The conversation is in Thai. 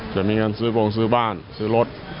จะมีเงินซื้อบงซื้อบ้านซื้อรถ